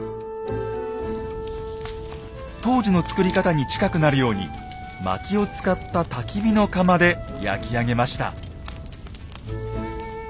当時の作り方に近くなるようにまきを使ったたき火の窯で焼き上げました。